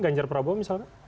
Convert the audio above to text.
ganjar prabowo misalnya